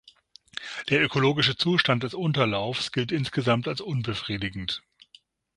Der ökologische Zustand des Unterlaufs gilt insgesamt als unbefriedigend.